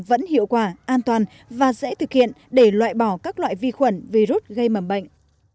vẫn hiệu quả an toàn và dễ thực hiện để loại bỏ các loại vi khuẩn virus gây mầm bệnh